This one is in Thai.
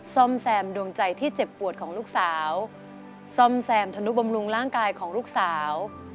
ซ่อมแซมดวงใจที่เจ็บปวดของลูกสาวซ่อมแซมธนุบำรุงร่างกายของลูกสาว